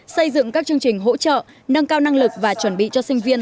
xây dựng các chương trình hỗ trợ nâng cao năng lực và chuẩn bị cho sinh viên